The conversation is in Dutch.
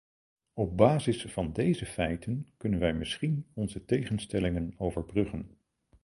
Op basis van deze feiten kunnen wij misschien onze tegenstellingen overbruggen.